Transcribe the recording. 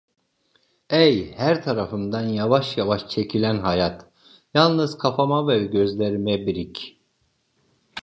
Ey her tarafımdan yavaş yavaş çekilen hayat, yalnız kafama ve gözlerime birik!